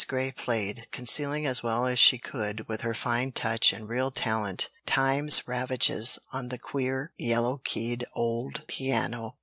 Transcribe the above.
Grey played, concealing as well as she could, with her fine touch and real talent, time's ravages on the queer, yellow keyed old piano.